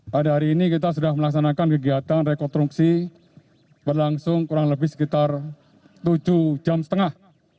pada hari ini kita sudah melaksanakan kegiatan rekonstruksi berlangsung kurang lebih sekitar tujuh jam setengah